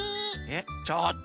えっ！